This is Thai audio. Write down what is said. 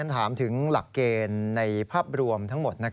ถามถึงหลักเกณฑ์ในภาพรวมทั้งหมด